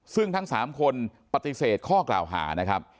ซึ่งทั้ง๓คนปฏิเสธข้อกล่าวหานะครับ